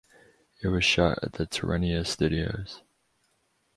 It was shot at the Tirrenia Studios.